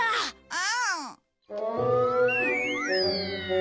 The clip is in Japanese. うん。